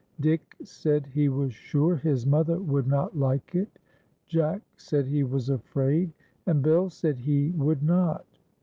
Dick said he was sure his mother would not like it; Jack said he was afraid; and Bill said he would not.